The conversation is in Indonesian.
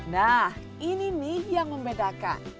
nah ini nih yang membedakan